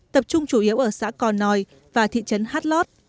tập trung chủ yếu ở xã cò nòi và thị trấn hát lót